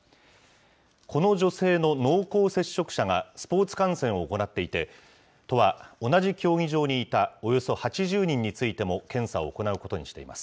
この女性の濃厚接触者がスポーツ観戦を行っていて、都は同じ競技場にいたおよそ８０人についても検査を行うことにしています。